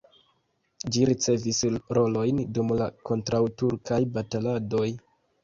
Ĝi ricevis rolojn dum la kontraŭturkaj bataladoj.